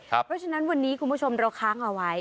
เพราะฉะนั้นวันนี้คุณผู้ชมเราค้างเอาไว้